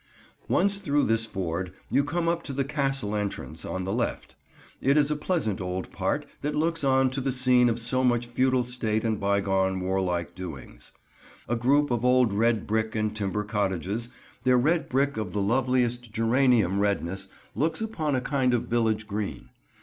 Once through this ford, you come up to the Castle entrance, on the left. It is a pleasant old part that looks on to the scene of so much feudal state and bygone warlike doings. A group of old red brick and timber cottages, their red brick of the loveliest geranium redness, looks upon a kind of village green.